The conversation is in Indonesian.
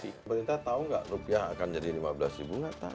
pemerintah tahu nggak rupiah akan jadi lima belas ribu nggak tahu